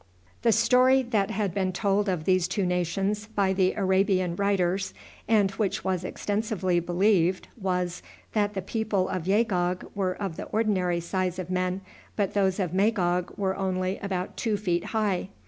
The story that had been told of these two nations by the Arabian writers, and which was extensively believed, was, that the people of Yagog were of the ordinary size of men, but those of Magog were only about two feet high.